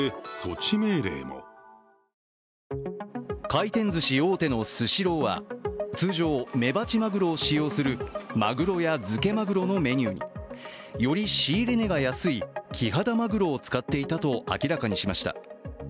回転ずし大手のスシローは、通常メバチマグロを使用するまぐろや漬けまぐろのメニューに、より仕入れ値が安い、キハダマグロを使っていたと明らかにしました。